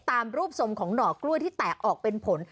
ตามรูปทรงของหน่อกล้วยที่แตกออกเป็นผล